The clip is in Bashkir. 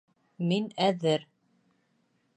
— Мин әҙер.